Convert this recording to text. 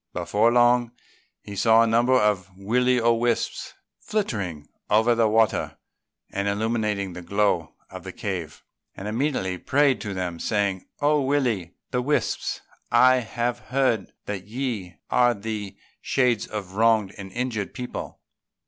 Before long he saw a number of Will o' the Wisps flitting over the water and illuminating the gloom of the cave; and immediately prayed to them, saying, "O Will o' the Wisps, I have heard that ye are the shades of wronged and injured people.